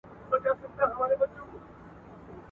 خلکو د ټولنیزو علومو ارزښت درک نه کړ.